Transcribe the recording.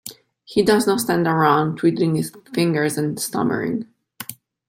He does not stand around, twiddling his fingers and stammering.